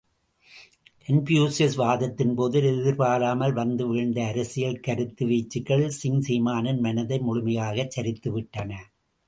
Confucius வாதத்தின்போது எதிர்பாராமல் வந்து வீழ்ந்த அரசியல் கருத்து வீச்சுக்கள் சிங் சீமானின் மனதை முழுமையாக சரித்து விட்டன.